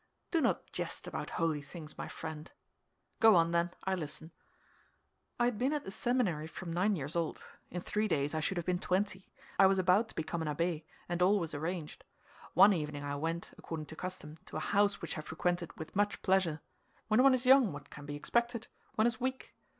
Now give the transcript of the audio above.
"Do not jest about holy things, my friend." "Go on, then, I listen." "I had been at the seminary from nine years old; in three days I should have been twenty. I was about to become an abbé, and all was arranged. One evening I went, according to custom, to a house which I frequented with much pleasure: when one is young, what can be expected?—one is weak.